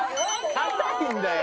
硬いんだよ。